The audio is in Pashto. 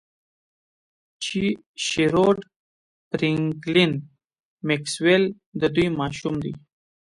چې شیروډ فرینکلین میکسویل د دوی ماشوم دی